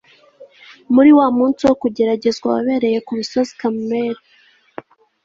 muri wa munsi wo kugeragezwa wabereye ku musozi Karumeli